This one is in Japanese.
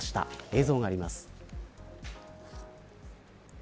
映像があります。